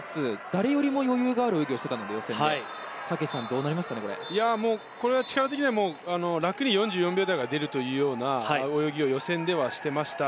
誰よりも余裕がある動きを予選でしていたのでこれは力的に楽に４４秒台が出るというような泳ぎを予選ではしていました。